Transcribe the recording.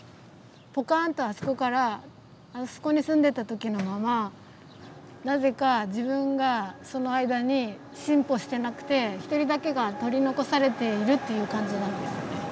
ポカンとあそこからあそこに住んでた時のままなぜか自分がその間に進歩してなくて一人だけが取り残されているっていう感じなんですね。